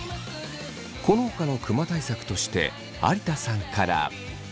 このほかのクマ対策として有田さんから。